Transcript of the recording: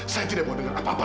saya tidak mau dengar apa apa